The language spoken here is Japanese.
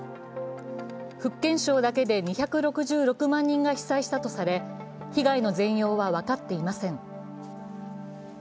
福建省だけで２６６万人が被災したとされ、被害の全容は分かっていません。